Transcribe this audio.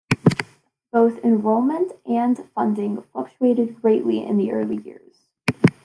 Both enrollment and funding fluctuated greatly in the early years.